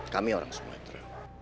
kami orang sumatera